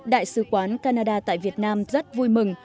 đại sứ quán canada tại việt nam rất vui mừng